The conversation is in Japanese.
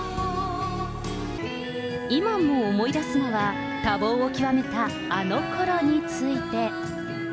今も思い出すのは、多忙を極めたあのころについて。